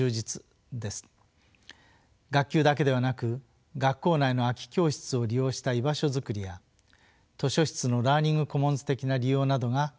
学級だけではなく学校内の空き教室を利用した居場所作りや図書室のラーニングコモンズ的な利用などが考えられます。